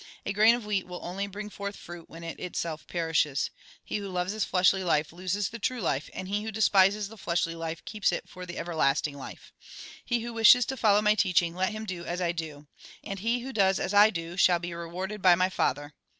A grain of wheat will only bring forth fruit when it itself perishes. He who loves his fleshly life loses the true life, and he who despises the fleshly life keeps it for the everlasting life. He who wishes to follow my teaching, let him do as I do. And he who does as I do shall be rewarded by my Father.